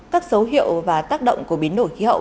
các dấu hiệu và tác động của biến đổi khí hậu